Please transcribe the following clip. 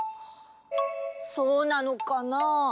そうなのかな？